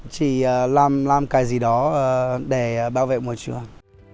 chỉ làm cái gì đó để bảo vệ môi trường